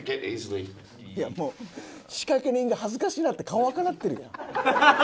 いやもう仕掛け人が恥ずかしなって顔赤なってるやん。